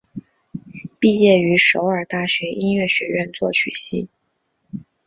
毕业于首尔大学音乐学院作曲系。